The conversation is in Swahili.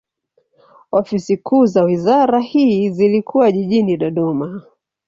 Ofisi kuu za wizara hii zilikuwa jijini Dodoma.